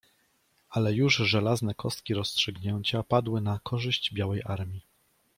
Ale już żelazne kostki rozstrzygnięcia padły na korzyść białej armii.